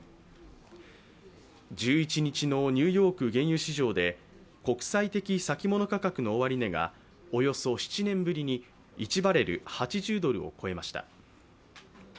１１日のニューヨーク原油市場で国際的先物価格の終値がおよそ７年ぶりに１バレル＝８０ドルを超えました。